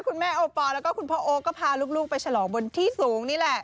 คุณแม่โอปอลแล้วก็คุณพ่อโอก็พาลูกไปฉลองบนที่สูงนี่แหละ